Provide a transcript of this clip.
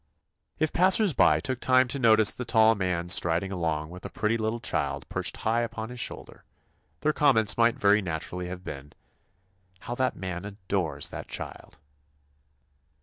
If passers by took time to notice the tall man striding along with a pretty little child perched high upon his shoulder, their comments might very naturally have been, "How that man adores that child!"